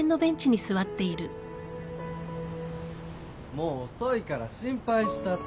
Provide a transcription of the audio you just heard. ・もう遅いから心配したって。